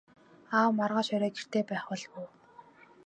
Аав маргааш орой гэртээ байх болов уу?